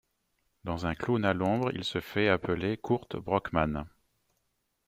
Dans un clown à l'ombre il se fait appeler Kurt Brockman.